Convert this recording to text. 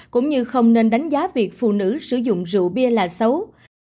cũng như không nên đánh giá việc phụ nữ sử dụng rượu bia là xấu